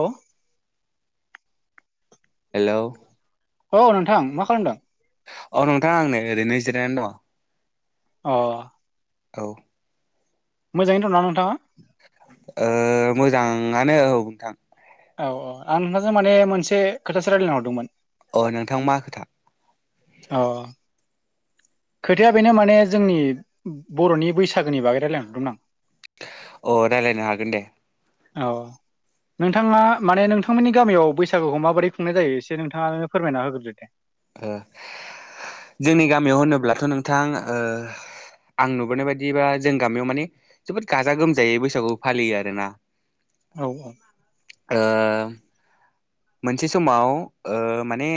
औ हेलौ औ नोंथां मा खालामदों औ नोंथाङा आंनो ओरैनोजिरायनानै दङ अ औ मोजाङैनो दं ना नोंथाङा? ओ मोजाङानो औ नोंथां औ औ आं नोंथजों माने मोनसे खोथासो रायजलायनो हरदोंमोन अ नोंथां मा खोथा अ खोथाया बेनो माने जोंनि बर'नि बैसागोनि बागै रायलायहरदोंमोन आं अ रायलायनो हागोन दे औ नोंथाङा माने नोंथांमोननि गामियाव बैसागुखौ माबोरै खुंनाय जायो एसे नोंथाङा फोरमायना होग्रोदो दे ओ जोंनि गामियाव होनोब्लाथ' नोंथां ओ आं नुबोनाय बायदिबा जों गामियाव माने जोबोद गाजा गोमजायै बैसागु फालियो आरो ना औ ओ मोनसे समाव ओ माने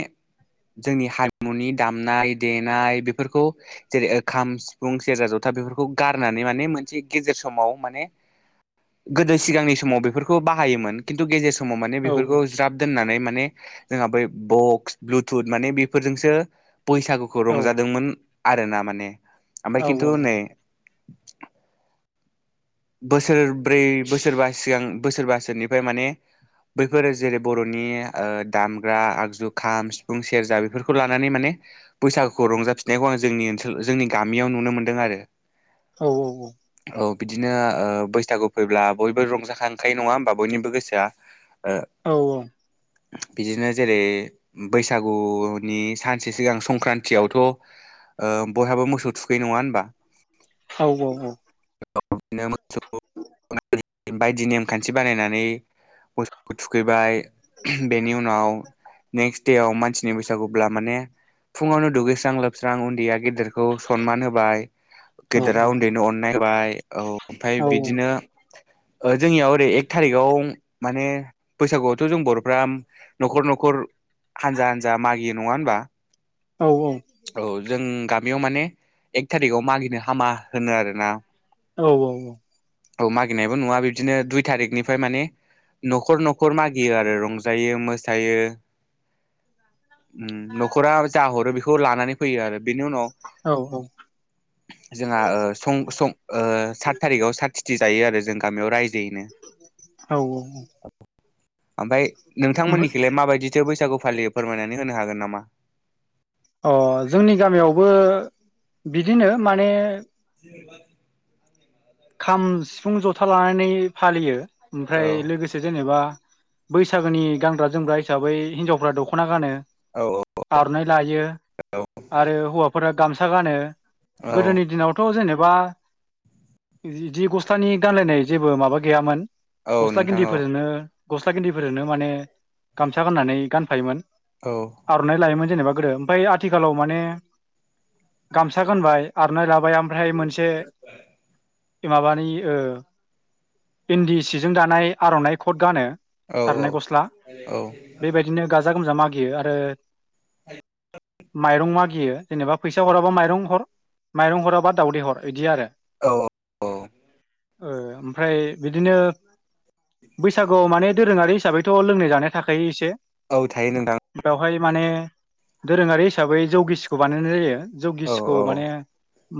जोंनि हारिमुनि दामनाय देनाय बेफोरखौ जेरै खाम सिफुं सेरजा जथा बे गारनानै माने मोनसे गेजेर समाव माने गोदो सिगांनि समाव बेफोरखौ बाहायोमोन खिन्थु गेजेर समाव माने औ बेफोरखौ ज्राब दोननानै माने जोंहा बै बक्स ब्लुथुथ माने बेफोरजोंसो बैसागुखौ औ रंजादोंमोन आरो ना माने ओमफ्राय औ खिन्थु नै बोसोरब्रै बोसोरबा सिगां बोसोरबासोनिफ्राय माने बैफोर जेरै बर'नि ओ दामग्रा आगजु खाम सिफुं सेरजा बेफोरखौ लानानै माने बैसागुखौ रंजाफिननायखौ आं जोंनि ओनसोल जोंनि गामियाव नुनो मोनदों आरो औ औ औ औ बिदिनो ओ बैसागु फैब्ला बयबो रंजाखांखायो नङा होमबा बयनिबो गोसोआ ओ बिदिनो जेरै बैसागुनि सानसे सिगां संक्रान्तियावथ' ओ बयहाबो मोसौ थुखैयो नङा होनबा औ औ औ [unintelligible] उम बायदि नेमखान्थि बानायनानै मोसौखौ थुखैबाय बेनि उनाव नेक्स्ट देव मानसिनि बैसागुब्ला माने फुङावनो दुगैस्रां लोबस्रां उन्दैया गेदेर खौ सनमान होबाय गेदेरा उन्दैनो अननाय होबाय औ ओमफाय बिदिनो ओ जोंनियाव ओरै एक थारिखाव माने बैसागुआवथ' जों बर'फ्रा न'खर न'खर हानजा हानजा मागि नङा होनबा औ जों गा बेयाव माने एक थारिखआव मागिनो हामा होनो आरोना। औ औ औ औ मागिनायबो नुवा बिबदिनो दुइ थारिकनिफ्राय माने न'खर न'खर मागियो आरो रंजायो मोसायो। उम न'खरा जा हरो बेखौ लानानै फैयो आरो बेनि उनाव औ जोंहा ओ सं सं ओ सात थारिखाव सा थिथि जायो आरो जों गामियाव राय औ औ ओमफाय ओमफ्राय नोंथांमोननिखिलाय माबायदिथो बैसागु फालियो फोरमायनानै होनो हागोन नामा। अ जोंनि गामियावबो बिदिनो माने [unintelligible] खाम सिफुं जथा लानानै फालियो औ ओमफ्राय लोगोसे जेनेबा बैसागोनि गानग्रा जोमग्रा हिसाबै हिनजावफ्रा दख'ना गानो- आर'नाइ लायो आरो हौवाफोरा गामसा गानो औ गोदोनि दिनावथ' जेनेबा बिदि गस्लाानि गानलायनाय जेबो माबा गैयामोन औ गस्ला नोंथां औ गिन्दिफोरजोंनो गस्ला गेन्ददिफोरजोंनो माने गामसा गाननानै गानफायोमोन औ आर'नाइ लायोमोन जेनेबा ओमफाय आथिलाव माने गामसा गानबाय आर'नाइ ला बाय ओमफ्राय मोनसे माबानि ओ इन्दि सिजों दानाय आर'नाइ खट गानो। औ औ आरननाय गस्ला औ बेबायदिनो गाजा गोमजा मागियो आरो। माइरं मागियो जेनेबा फैसा हराबा माइरं हर माइरं हरा बा दावदै हर इदि आरो। अ अ ओ ओमफ्राय बिदिनो बैसागुआव माने दोरोङारि हिसाबैथ' लोंनाय जानाय थाखायो इसे। औ थायो नोंथां बेवहाय माने दोरोङारि हिसाबै जौगिसिखौ बानायनाय जायो। औ जौगिसिखौ औ माने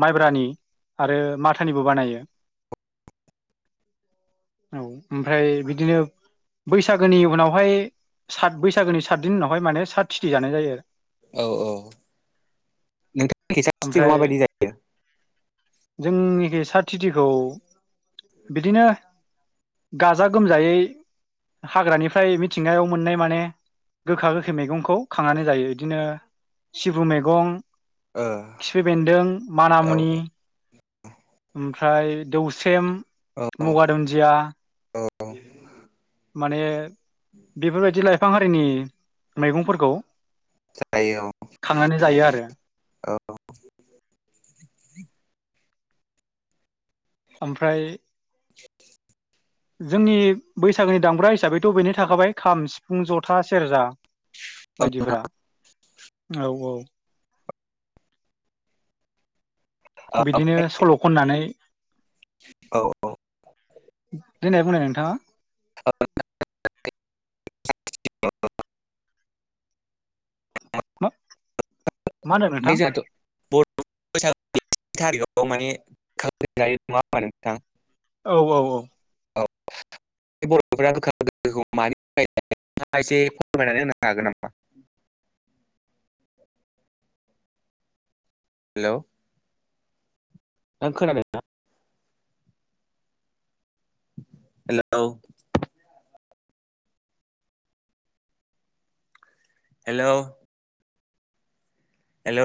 माइब्रानि आरो माथ निबो बानायो औ ओमफ्राय बिदिनो बैसागोनि उनावहाय सात बैसागोनि सातदिन उनावहाय मानो सात थिथि जानाय जायो? औ औ नोंथांनि सातथिथिखौ ओमफ्राय माबायदि जायो? जोंनिखि सातटिटिखौ बिदिनो गाजा गोमजायै हाग्रानिफ्राय मिथिंगायाव मोननाय माने गोखा गोखै मैगंखौ खांनानै जायो इदिनो सिब्रु मेैगं ओ खिफि बेन्दों औ मानामुनि ओमफ्राय दौसेम मुगा औ दुन्दिया औ माने बेफोरबायदि लाइफां हारिनि मैगंफोरखौ जायो औ। खांनानै जायो आरो ओमफ्राय जोंनि बैसागोनि दामग्रा हिसाबैथ' बेनो थाखाबाय खाम सिफुं जथा सेरजा औ नोंथां बायदिफोरा औ औ औ बिदिनो सल' खननानै औ ओमफ्राय देनाय बुंनाय नोंथाङा। मा मा होनदों नोंथां? बैसागु [unintelligible] नङा होनबा नोंथां औ औ औ औ बर'फोरा गोखा गोखैखौ मानि थाखाय जायो नोंथाङा एसे फोरमायनानै होनो हागोन नामा? हेलौ नोंथां खोनादों ना? हेलौ हेलौ हेलौ नों